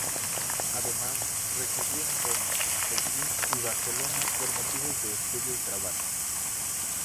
Además, residió en Roma, Pekín y Barcelona por motivos de estudio y trabajo.